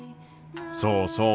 そうそう。